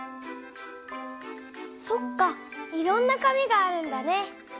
そっかいろんな紙があるんだね。